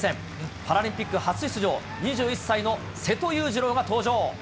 パラリンピック初出場、２１歳の瀬戸勇次郎が登場。